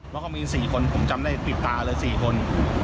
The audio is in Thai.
แล้วก็มี๔คนผมจำได้ปิดตาเลย๔คน